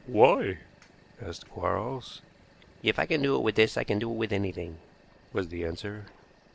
"Why?" asked Quarles. "If I can do it with this I can do it with anything," was the answer.